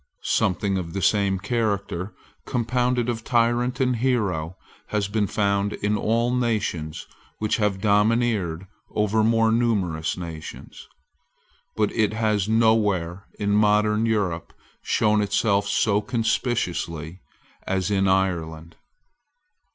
Something of the same character, compounded of tyrant and hero, has been found in all nations which have domineered over more numerous nations. But it has nowhere in modern Europe shown itself so conspicuously as in Ireland.